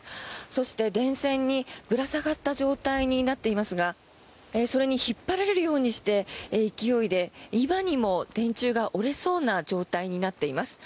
そして電線にぶら下がった状態になっていますがそれに引っ張られるようにして勢いで今にも電柱が折れそうな状態になっています。